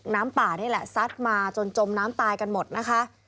น้ำป่านี่แหละซัดมาจนจมน้ำตายกันหมดนะคะ